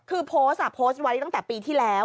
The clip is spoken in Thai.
คือโพสต์โพสต์นี่อาจจะไหวลของแต่ปีที่แล้ว